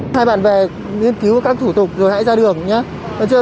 hai bạn bè nghiên cứu các thủ tục rồi hãy ra đường nhé